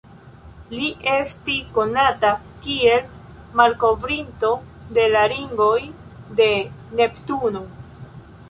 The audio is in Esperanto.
Li esti konata kiel malkovrinto de la ringoj de Neptuno.